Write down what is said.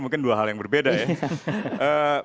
mungkin dua hal yang berbeda ya